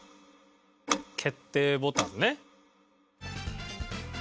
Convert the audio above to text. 決定ボタンね。